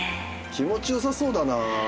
気持ちよさそうだな。